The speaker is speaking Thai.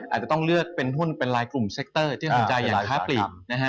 อาจจะต้องเลือกเป็นหุ้นเป็นลายกลุ่มเซ็กเตอร์ที่สนใจอยากค้าปลีก